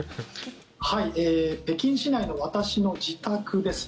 北京市内の私の自宅です。